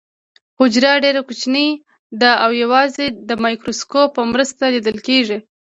حجره ډیره کوچنۍ ده او یوازې د مایکروسکوپ په مرسته لیدل کیږي